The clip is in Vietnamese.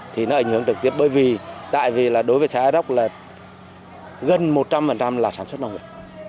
thì nó ảnh hưởng trực tiếp bởi vì tại vì là đối với xã air rock là gần một trăm linh là sản xuất nông nghiệp